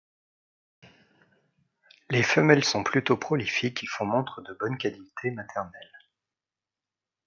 Les femelles sont plutôt prolifiques et font montre de bonnes qualités maternelles.